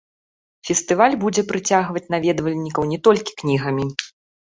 Фестываль будзе прыцягваць наведвальнікаў не толькі кнігамі.